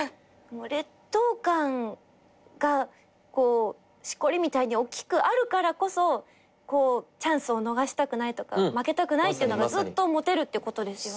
劣等感がしこりみたいにおっきくあるからこそチャンスを逃したくないとか負けたくないってのがずっと持てるってことですよね。